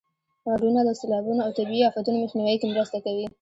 غرونه د سیلابونو او طبیعي افتونو مخنیوي کې مرسته کوي.